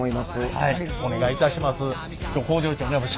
はいお願いいたします。